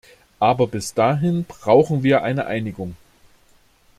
Aber bis dahin brauchen wir eine Einigung.